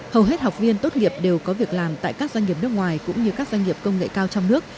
hầu hết học viên tốt nghiệp đều có việc làm tại các doanh nghiệp nước ngoài cũng như các doanh nghiệp công nghệ cao trong nước